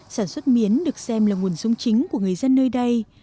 sản xuất miến được xem là nguồn dung chính của người dân nơi đây